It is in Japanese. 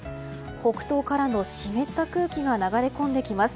北東からの湿った空気が流れ込んできます。